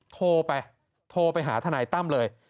โทรไปโทรไปหาทนายตั้มเลย